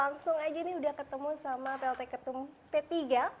langsung aja nih udah ketemu sama plt ketum p tiga